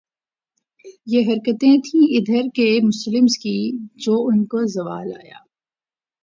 یہ حرکتیں تھیں ادھر کے مسلمز کی جو ان کو زوال آیا